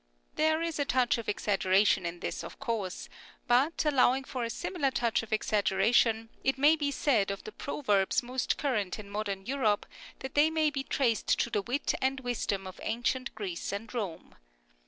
There is a touch of exaggeration in this, of course ; but, allowing for a similar touch of exaggeration, it may be said of the proverbs most current in modern Europe that they may be traced to the wit and wisdom of ancient Greece and Rome.